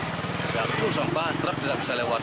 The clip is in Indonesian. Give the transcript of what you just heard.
ya puluh sampah truk tidak bisa lewat